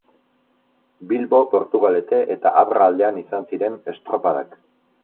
Bilbo, Portugalete eta Abra aldean izan ziren estropadak.